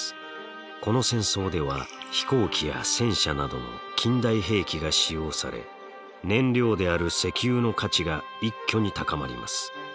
この戦争では飛行機や戦車などの近代兵器が使用され燃料である石油の価値が一挙に高まります。